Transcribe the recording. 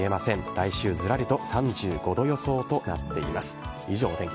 来週、ずらりと３５度予想となっています。